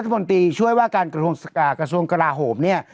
บนตรีช่วยว่าการกระทรวงกลาโหมเนี่ย